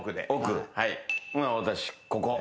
私ここ。